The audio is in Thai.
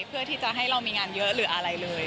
เพื่อที่จะให้เรามีงานเยอะหรืออะไรเลย